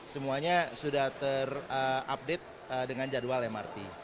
semuanya sudah terupdate dengan jadwal mrt